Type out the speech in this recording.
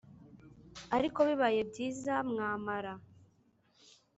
ariko bibaye byiza mwamara